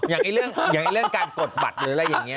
อย่างเรื่องการกดบัตรหรืออะไรอย่างนี้